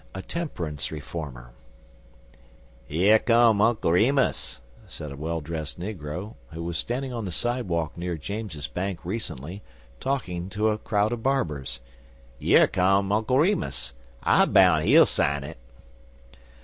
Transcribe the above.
A TEMPERANCE REFORMER "Yer come Uncle Remus," said a well dressed negro, who was standing on the sidewalk near James's bank recently, talking to a crowd of barbers. "Yer come Uncle Remus. I boun' he'll sign it."